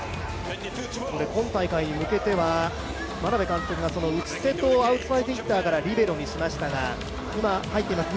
今大会に向けては眞鍋監督がこの内瀬戸をアウトサイドヒッターからリベロにしましたが今、入っています